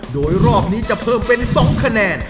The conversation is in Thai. โดยรอบนี้จะเพิ่มเป็น๒คะแนน